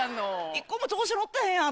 一個も調子乗ってへんやん